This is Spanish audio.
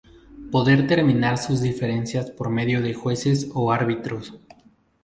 Poder terminar sus diferencias por medio de jueces o árbitros.